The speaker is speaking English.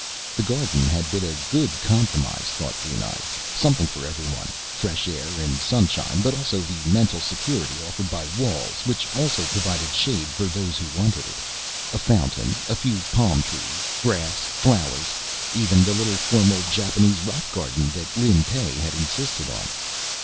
The garden had been a good compromise, thought Brunei. Something for everyone. Fresh air and sun shine, but also the mental security offered by the walls, which also provided shade for those who wanted it. A fountain, a few palm trees, grass, flowers, even the little formal Japanese rock garden that Lin Pey had insisted on.